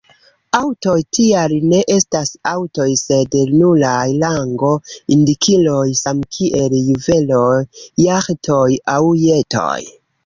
Aŭtoj tiaj ne estas aŭtoj sed nuraj rango-indikiloj, samkiel juveloj, jaĥtoj aŭ jetoj.